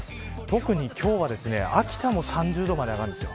特に今日は秋田も３０度まで上がります。